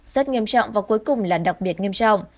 rất nghiêm trọng và cuối cùng là đặc biệt nghiêm trọng